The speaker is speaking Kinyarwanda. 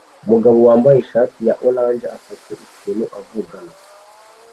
Umugabo wambaye ishati ya orange afashe ikintu avugana